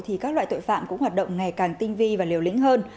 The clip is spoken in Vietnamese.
thì các loại tội phạm cũng hoạt động ngày càng tinh vi và liều lĩnh hơn